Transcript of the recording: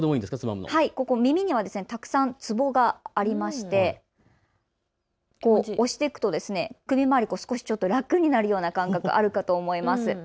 耳にはたくさんつぼがありまして押していくと首回り、楽になるような感覚あるかと思います。